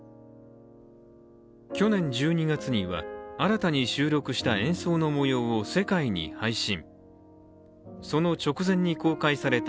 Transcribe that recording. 去年１２月には、新たに収録した演奏の模様を世界に配信。